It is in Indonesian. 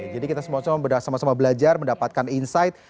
jadi kita semua sama belajar mendapatkan insight